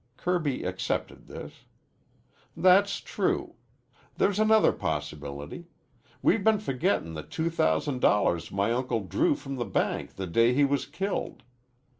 Kirby accepted this. "That's true. There's another possibility. We've been forgettin' the two thousand dollars my uncle drew from the bank the day he was killed.